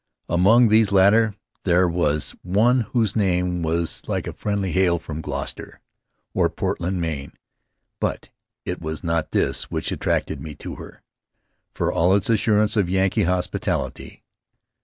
Among these latter there was Faery Lands of the South Seas one whose name was like a friendly hail from Gloucester, or Portland, Maine. But it was not this which attracted me to her, for all its assurance of Yankee hospitality.